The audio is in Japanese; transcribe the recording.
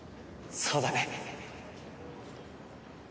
そうだね。